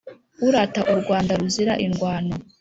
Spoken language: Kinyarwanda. urata u rwanda ruzira indwano